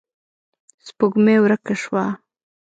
سپوږمۍ ورکه شوه.